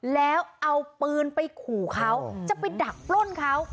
แล้วเอาปืนไปขู่เขาจะไปดักปล้นเขา